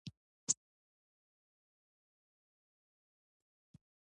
مړه ته د ښه عمل دعا وکړه